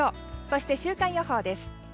そして週間予報です。